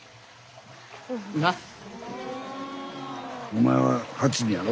お前は８人やろ？